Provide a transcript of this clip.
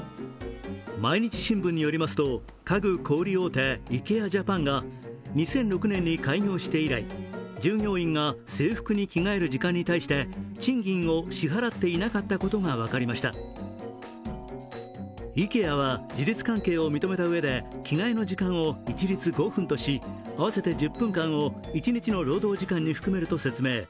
毎日新聞によりますと、家具小売大手イケア・ジャパンが２００６年に開業して以来、従業員が制服に着替える時間に対して賃金を支払っていなかったことが分かりましたイケアは、事実関係を認めたうえで着替えの時間を一律５分とし合わせて１０分間を一日の労働時間に含めると説明。